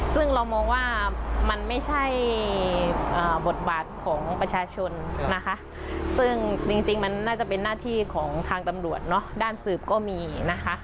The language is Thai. ซึ่งเรามองว่ามันไม่ใช่บทบาทของประชาชนนะคะซึ่งจริงมันน่าจะเป็นหน้าที่ของทางตำรวจเนอะด้านสืบก็มีนะคะ